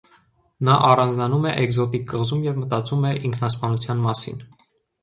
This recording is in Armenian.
Նա առանձնանում է էկզոտիկ կղզում և մտածում է ինքնասպանության մասին։